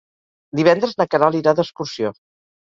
Divendres na Queralt irà d'excursió.